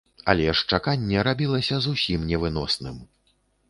Але ж чаканне рабілася зусім невыносным.